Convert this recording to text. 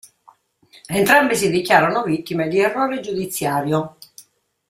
Entrambi si dichiarano vittime di errore giudiziario.